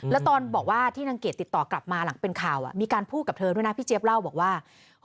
แล้วตอนบอกว่าที่นางเกดติดต่อกลับมาหลังเป็นข่าวมีการพูดกับเธอด้วยนะพี่เจี๊ยบเล่าบอกว่า